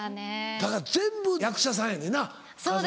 だから全部役者さんやねんな家族。